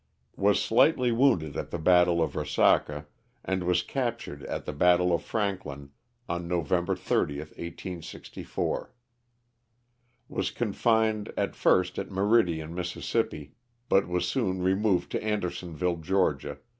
Was slightly wounded at the battle of Resaca, and was captured at the battle of Franklin on November 30, 1864. Was confined at first at Meridian, Miss., but was soon removed to Andersonville, Ga.